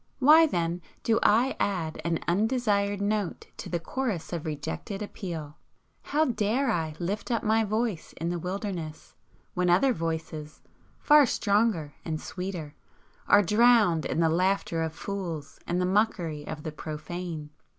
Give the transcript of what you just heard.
Why, then, do I add an undesired note to the chorus of rejected appeal? How dare I lift up my voice in the Wilderness, when other voices, far stronger and sweeter, are drowned in the laughter of fools and the mockery of the profane?